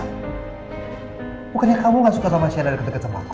bukannya kamu gak suka sama siena deket dua sama aku